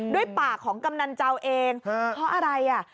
ด้วยปากของกำนันเจ้าเองเพราะอะไรอ่ะ